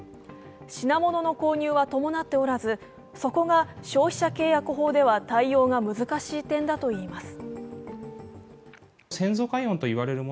品物の購入は伴っておらずそこが消費者契約法では対応が難しい点だといいます。